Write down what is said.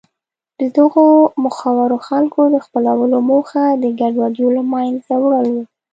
د دغو مخورو خلکو د خپلولو موخه د ګډوډیو له منځه وړل و.